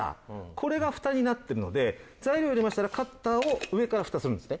これがフタになってるので材料入れましたらカッターを上からフタするんですね。